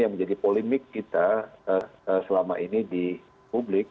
yang menjadi polemik kita selama ini di publik